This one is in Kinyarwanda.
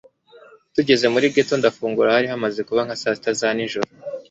tugeze muri geto ndafungura hari hamaze kuba nka saasita za nijoro